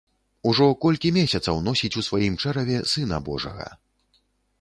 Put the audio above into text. Ужо колькі месяцаў носіць у сваім чэраве сына божага.